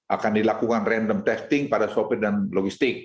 akan dilakukan random testing pada sopir dan logistik